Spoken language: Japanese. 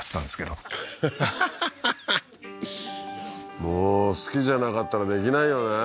もう好きじゃなかったらできないよね